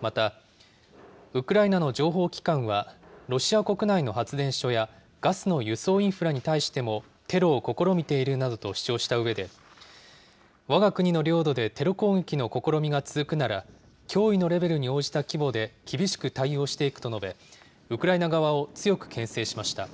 また、ウクライナの情報機関はロシア国内の発電所やガスの輸送インフラに対してもテロを試みているなどと主張したうえで、わが国の領土でテロ攻撃の試みが続くなら、脅威のレベルに応じた規模で厳しく対応していくと述べ、ウクライナ側を強くけん制しました。